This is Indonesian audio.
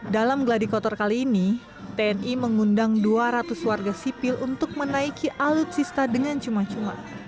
dalam gladi kotor kali ini tni mengundang dua ratus warga sipil untuk menaiki alutsista dengan cuma cuma